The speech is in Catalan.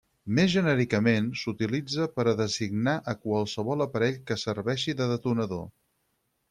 Més genèricament s'utilitza per a designar a qualsevol aparell que serveixi de detonador.